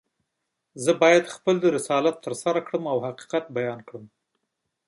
زه باید خپل رسالت ترسره کړم او حقیقت بیان کړم.